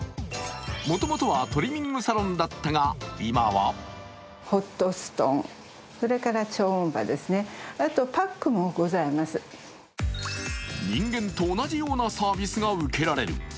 もともとはトリミングサロンだったが今は人間と同じようなサービスが受けられる。